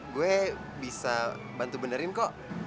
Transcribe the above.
gue bisa bantu benerin kok